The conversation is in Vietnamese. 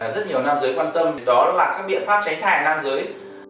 rất nhiều nam giới quan tâm đó là các biện pháp tránh thai cho nam giới